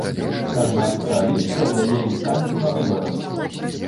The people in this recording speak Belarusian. Аднак кааліцыя дае ім шанец на выбарах.